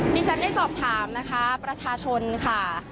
ดิฉันได้สอบถามนะคะประชาชนค่ะ